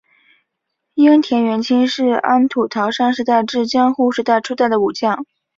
樱田元亲是安土桃山时代至江户时代初期的武将。